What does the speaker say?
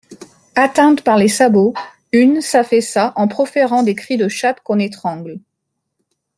Atteinte par les sabots, une s'affaissa en proférant des cris de chatte qu'on étrangle.